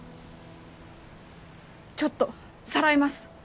ちょっとさらいます。